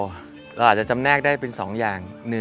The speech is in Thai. เราอาจจะจำแนกได้เป็น๒อย่าง